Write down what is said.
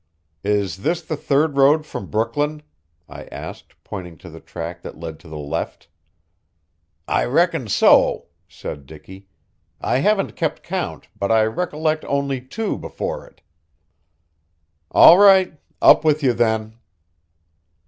"Is this the third road from Brooklyn?" I asked pointing to the track that led to the left. "I reckon so," said Dicky. "I haven't kept count, but I recollect only two before it." "All right. Up with you then!"